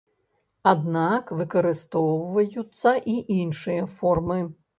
Аднак выкарыстоўваюцца і іншыя формы.